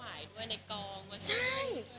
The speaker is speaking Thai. ได้เห็นคุณแม่ลงมาช่วยน้องหวายด้วยในกอง